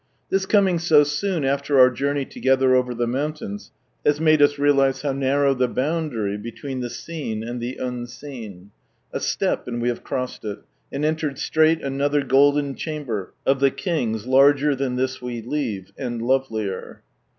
This coming so soon after our jour ney together over the mountains, has made us realize how narrow the boundary between the Seen and the Unseen. A step, and we have crossed it, and entered "straight another golden chamber of the King's larger than this we leave, and lovelier."